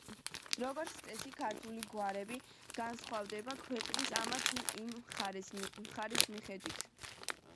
როგორც წესი ქართული გვარები განსხვავდება ქვეყნის ამა თუ იმ მხარეს მიხედვით.